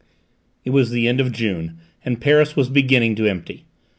It was the end of June, and Paris was beginning to empty.